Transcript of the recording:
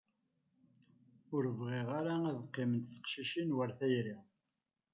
Ur bɣiɣ ara ad qqiment teqcicin war tayri.